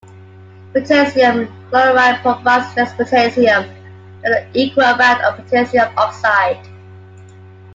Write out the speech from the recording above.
Potassium chloride provides less potassium than an equal amount of potassium oxide.